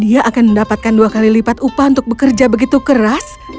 dia akan mendapatkan dua kali lipat upah untuk bekerja begitu keras